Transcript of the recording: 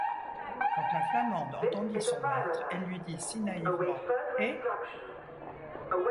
Quand la Flamande entendit son maître, elle lui dit si naïvement: — Eh!